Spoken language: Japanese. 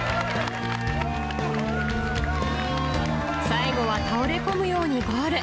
最後は倒れ込むようにゴール。